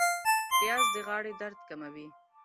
پیاز د غاړې درد کموي